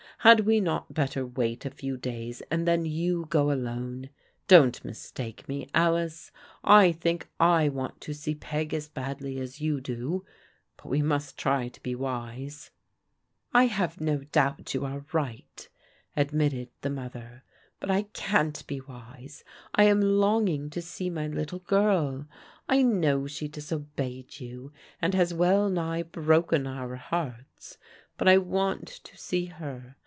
Had we not better wait a few days and then you go, alone? Don't mistake me, Alice, I think I want to see Peg as badly as you do, but we must try to be wise." ELEANOB AND PEQGY DEFIANT 199< «C I have no doubt you are right/' admitted the mother, *' but I can't be wise. I am longing to see my little prL I know she disobeyed you, and has well nigh broken our hearts, but I want to see her.